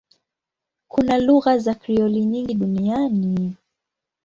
Kuna lugha za Krioli nyingi duniani.